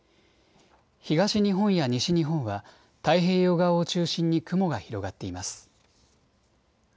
東日本や西日本は太平洋側を中心に雲が広がっています。